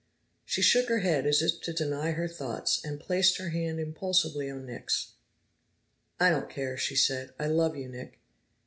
She shook her head, as if to deny her thoughts, and placed her hand impulsively on Nick's. "I don't care," she said. "I love you, Nick."